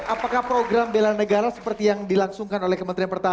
apakah program bela negara seperti yang dilangsungkan oleh kementerian pertahanan